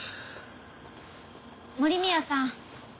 森宮さん。